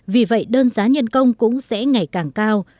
vì vậy đơn giá nhân công cũng sẽ ngày càng cao